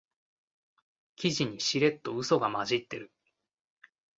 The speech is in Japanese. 記事にしれっとウソが混じってる